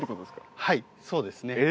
はいそうですね。